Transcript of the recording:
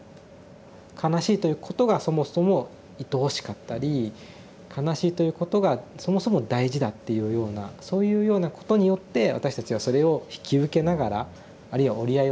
悲しいということがそもそもいとおしかったり悲しいということがそもそも大事だっていうようなそういうようなことによって私たちはそれを引き受けながらあるいは折り合いをつけながら生きていく。